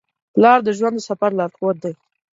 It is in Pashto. پلار د ژوند د سفر لارښود دی.